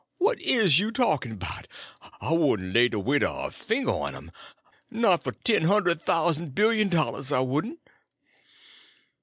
What is you a talkin' 'bout? I wouldn' lay de weight er my finger on um, not f'r ten hund'd thous'n billion dollars, I wouldn't."